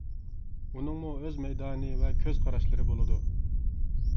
ئۇنىڭمۇ ئۆز مەيدانى ۋە كۆز قاراشلىرى بولىدۇ.